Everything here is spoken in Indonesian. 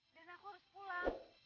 dan aku harus pulang